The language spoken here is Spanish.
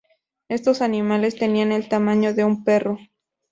Estos animales tenían el tamaño de un perro.